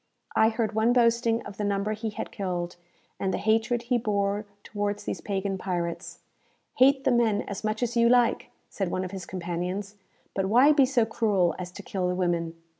I heard one boasting of the number he had killed, and the hatred he bore towards these pagan pirates. "Hate the men as much as you like," said one of his companions, "but why be so cruel as to kill the women?